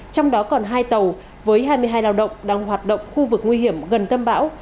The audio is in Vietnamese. trong đó còn hai tàu với hai mươi hai lao động đang hoạt động khu vực nguy hiểm gần tâm bão